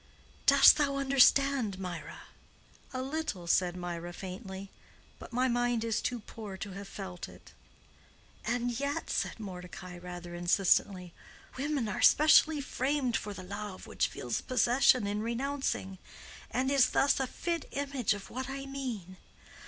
Dost thou understand, Mirah?" "A little," said Mirah, faintly, "but my mind is too poor to have felt it." "And yet," said Mordecai, rather insistently, "women are specially framed for the love which feels possession in renouncing, and is thus a fit image of what I mean.